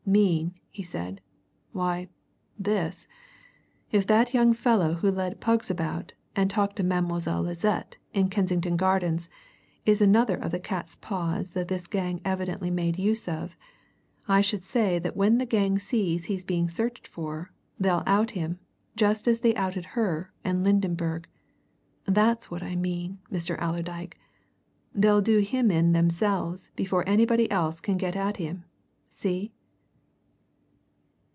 "Mean," he said. "Why, this if that young fellow who led pugs about, and talked to Mamselle Lisette in Kensington Gardens, is another of the cat's paws that this gang evidently made use of, I should say that when the gang sees he's being searched for, they'll out him, just as they outed her and Lydenberg. That's what I mean, Mr. Allerdyke they'll do him in themselves before anybody else can get at him! See?"